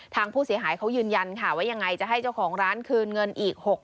ทางผู้เสียหายเขายืนยันค่ะว่ายังไงจะให้เจ้าของร้านคืนเงินอีก